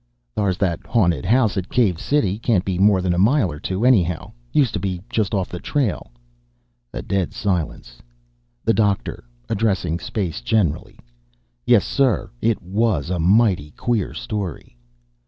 "Thar's that haunted house at Cave City. Can't be more than a mile or two away, anyhow. Used to be just off the trail." A dead silence. The Doctor (addressing space generally) "Yes, sir; it WAS a mighty queer story."